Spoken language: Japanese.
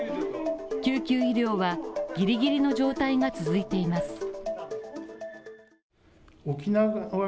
救急医療はギリギリの状態が続いています。